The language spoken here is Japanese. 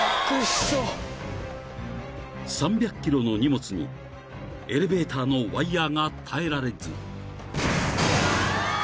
［３００ｋｇの荷物にエレベーターのワイヤが耐えられず］